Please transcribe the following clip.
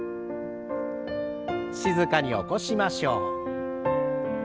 静かに起こしましょう。